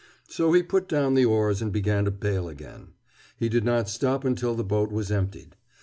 So he put down the oars and began to bale again. He did not stop until the boat was emptied.